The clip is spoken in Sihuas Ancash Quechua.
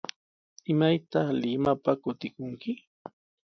¿Imaytaq Limapa kutikunki?